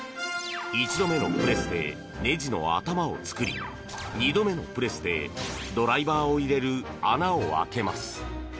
一度目のプレスでねじの頭を作り二度目のプレスでドライバーを入れる穴を開けます。